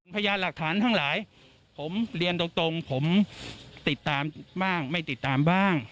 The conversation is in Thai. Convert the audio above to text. พยานหลักฐานทั้งหลายผมเรียนตรงผมติดตามบ้างไม่ติดตามบ้าง